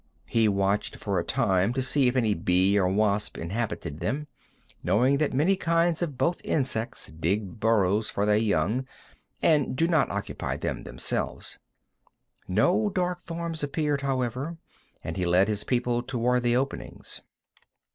He watched for a time, to see if any bee or wasp inhabited them, knowing that many kinds of both insects dig burrows for their young, and do not occupy them themselves. No dark forms appeared, however, and he led his people toward the openings.